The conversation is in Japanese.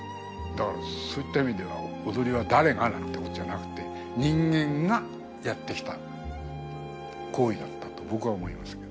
だからそういった意味では踊りは誰がなんてことじゃなく人間がやってきた行為だったと僕は思いますけど。